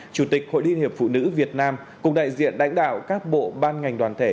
chủ tịch hội liên hiệp phụ nữ việt nam cùng đại diện đánh đạo các bộ ban ngành đoàn thể